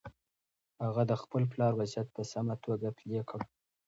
هغه د خپل پلار وصیت په سمه توګه پلي کړ.